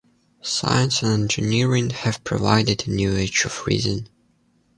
Science and engineering have provided a new Age of Reason.